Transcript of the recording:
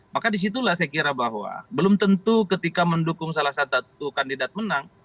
maka disitulah saya kira bahwa belum tentu ketika mendukung salah satu kandidat menang